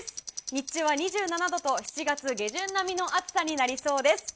日中は２７度と７月下旬並みの暑さになりそうです。